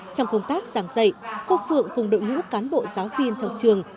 trong công tác giảng dạy cô phượng cùng đội ngũ cán bộ giáo viên trong trường